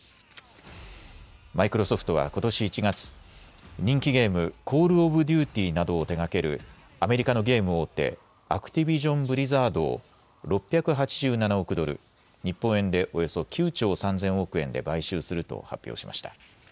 マイクロソフトはことし１月、人気ゲーム、コール・オブ・デューティなどを手がけるアメリカのゲーム大手、アクティビジョン・ブリザードを６８７億ドル日本円でおよそ９兆３０００億円で買収すると発表しました。